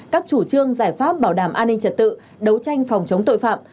các chủ trương giải pháp bảo đảm an ninh trật tự đấu tranh phòng chống tội phạm